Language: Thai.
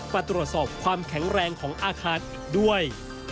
ปรับตรวจสอบความแข็งแรงของอาคารด้วย